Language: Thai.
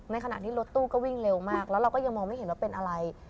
ขณะที่รถตู้ก็วิ่งเร็วมากแล้วเราก็ยังมองไม่เห็นว่าเป็นอะไร